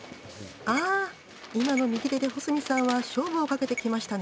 あ今の右手で保住さんは勝負をかけてきましたね！